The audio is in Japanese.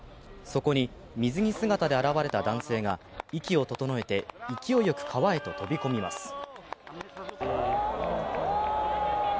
そこに水着姿で現れた男性が息を整えて勢いよく川へと飛び込みます。